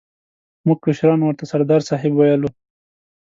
موږ کشرانو ورته سردار صاحب ویلو.